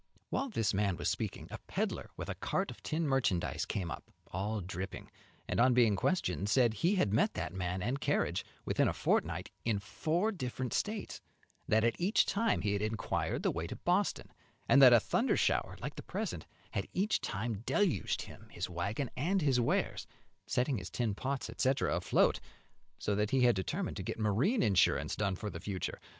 While this man was speaking, a peddler with a cart of tin merchandise came up, all dripping; and, on being questioned, he said he had met that man and carriage, within a fortnight, in four different States; that at each time he had inquired the way to Boston; and that a thunder shower like the present had each time deluged him, his wagon and his wares, setting his tin pots, etc., afloat, so that he had determined to get marine insurance done for the future.